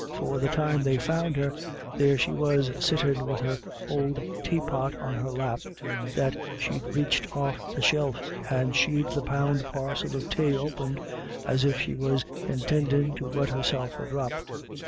For the time they found her, there she was sittin' wid her ould taypot on her lap, that she'd raiched off the shelf, and she'd the poun' parcel of tay opened, as if she was intindin' to wet herself a drop."